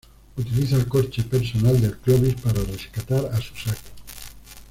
Utiliza el coche personal del Clovis para rescatar a Suzaku.